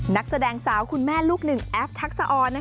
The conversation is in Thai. นักแสดงสาวคุณแม่ลูกหนึ่งแอฟทักษะออน